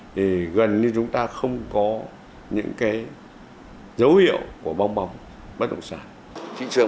thì gần như chúng ta không có những cái dấu hiệu của bong bóng bất động sản